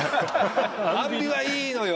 『アンビ』はいいのよ